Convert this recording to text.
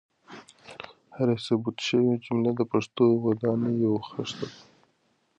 هره ثبت شوې جمله د پښتو د ودانۍ یوه خښته ده.